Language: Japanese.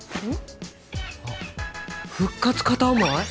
あっ復活片思い？